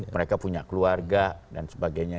mereka punya keluarga dan sebagainya